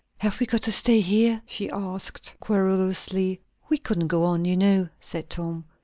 "Have we got to stay here?" she asked querulously. "We couldn't go on, you know," said Tom.